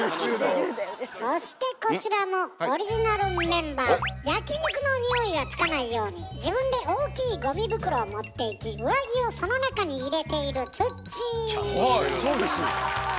そしてこちらも焼き肉のにおいがつかないように自分で大きいゴミ袋を持って行き上着をその中に入れているはいそうです。